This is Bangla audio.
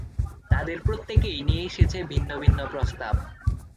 তাদের প্রত্যেকেই নিয়ে এসেছে ভিন্ন ভিন্ন প্রস্তাব।